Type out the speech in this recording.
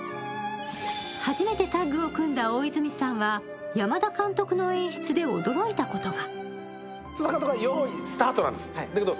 初めてタッグを組んだ大泉さんは山田監督の演出で驚いたことが。